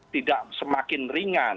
tidak semakin ringan